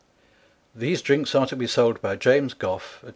<<end>> These drinks are to be sold by James Gough at M.